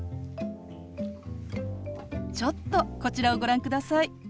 ちょっとこちらをご覧ください。